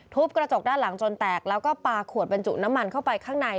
กระจกด้านหลังจนแตกแล้วก็ปลาขวดบรรจุน้ำมันเข้าไปข้างใน